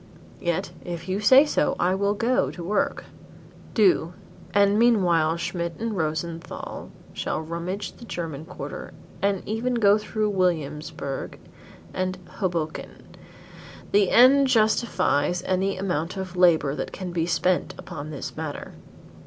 Yet if you say so I will go to work " "Do, and meanwhile Schmidt and Rosenthal shall rummage the German quarter and even go through Williamsburgh and Hoboken. The end justifies any amount of labor that can be spent upon this matter."